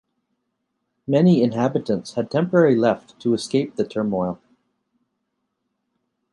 Many inhabitants had temporarily left to escape the turmoil.